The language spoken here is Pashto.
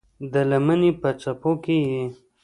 د لمنې په څپو کې یې